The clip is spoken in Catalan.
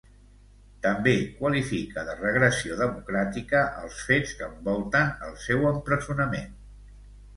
També qualifica de "regressió democràtica" els fets que envolten el seu empresonament.